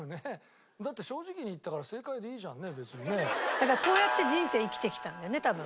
だからこうやって人生生きてきたんだよね多分。